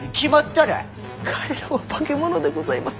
彼らは化け物でございます。